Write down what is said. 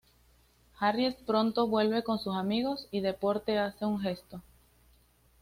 Harriet pronto vuelva con sus amigos, y Deporte hace un cesto.